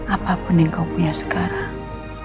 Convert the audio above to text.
apapun yang kau punya sekarang